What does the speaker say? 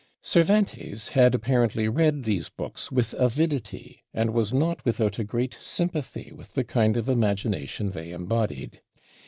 Cervantes had apparently read these books with avidity, and was not without a great sympathy with the kind of imagination they embodied.